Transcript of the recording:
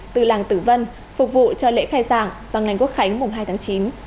từ làng từ vân phục vụ cho lễ khai giảng toàn ngành quốc khánh mùng hai tháng chín